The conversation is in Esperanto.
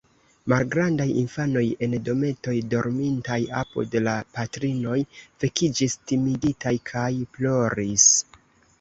Malgrandaj infanoj en dometoj, dormintaj apud la patrinoj, vekiĝis timigitaj kaj ploris.